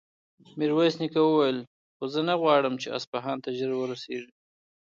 ميرويس نيکه وويل: خو زه نه غواړم چې اصفهان ته ژر ورسېږي.